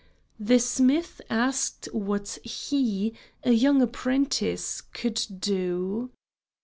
The smith asked what he, a young apprentice, could do.